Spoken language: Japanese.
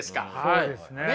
そうですね。